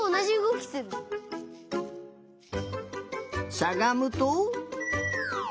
しゃがむと。